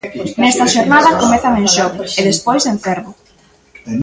Nesta xornada comezan en Xove e despois en Cervo.